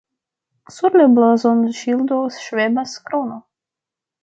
Sur la blazonŝildo ŝvebas krono.